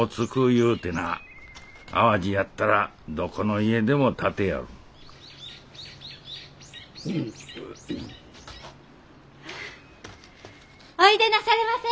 いうてな淡路やったらどこの家でも立てよるおいでなされませ。